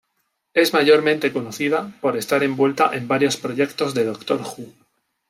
Es mayormente conocida por estar envuelta en varios proyectos de "Doctor Who".